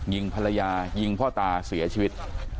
ยิงภรรยายิงพ่อตาเสียชีวิต